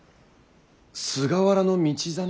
菅原道真